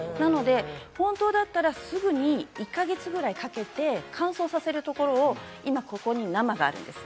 本当だったらすぐに１か月ぐらいかけて乾燥させるところを、今ここに生があるんです。